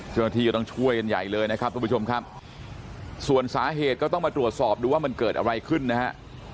ช่วงนาทีต้องช่วยกันใหญ่เลยนะครับส่วนสาเหตุก็ต้องมาตรวจสอบดูว่ามันเกิดอะไรขึ้นนะครับ